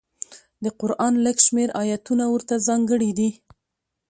د قران لږ شمېر ایتونه ورته ځانګړي دي.